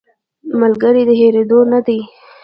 ملګری د هېرېدو نه وي